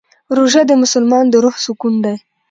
روژه د مسلمان د روح سکون دی.